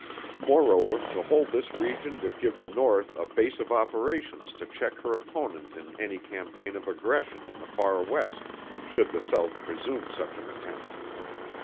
Moreover to hold this region would give the North a base of operations to check her opponent in any campaign of aggression in the far West, should the South presume such an attempt.